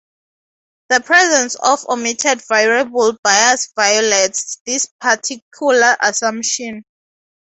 The presence of omitted-variable bias violates this particular assumption.